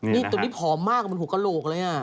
นี่ตัวนี้ผอมมากเหมือนหูกโกโหลกเลยอ่ะ